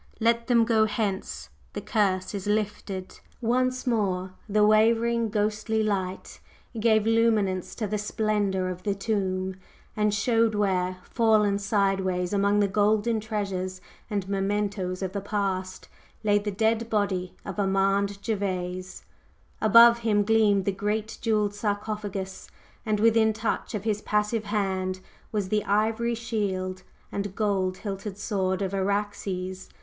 Let them go hence, the curse is lifted!" Once more the wavering ghostly light gave luminance to the splendor of the tomb, and showed where, fallen sideways among the golden treasures and mementoes of the past, lay the dead body of Armand Gervase. Above him gleamed the great jewelled sarcophagus; and within touch of his passive hand was the ivory shield and gold hilted sword of Araxes.